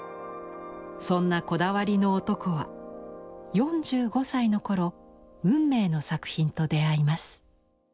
そんなこだわりの男は４５歳の頃運命の作品と出会います。